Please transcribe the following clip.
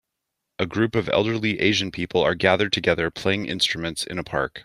A group of elderly Asian people are gathered together, playing instruments in a park.